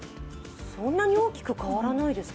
そんなに大きく変わらないですか？